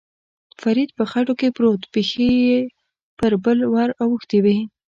فرید په خټو کې پروت، پښې یې پر پل ور اوښتې وې.